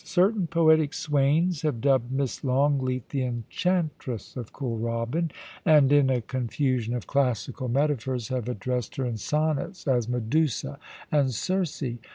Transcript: Certain poetic swains have dubbed Miss Longleat the Enchantress of Kooralbyn, and, in a confusion of classical metaphors, have addressed her in sonnets as Medusa and Circe.